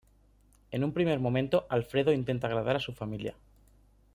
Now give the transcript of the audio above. En un primer momento Alfredo intenta agradar a su familia.